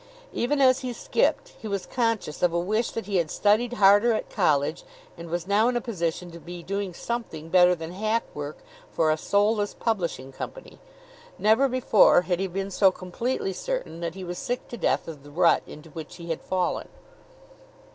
Even as he skipped, he was conscious of a wish that he had studied harder at college and was now in a position to be doing something better than hack work for a soulless publishing company. Never before had he been so completely certain that he was sick to death of the rut into which he had fallen.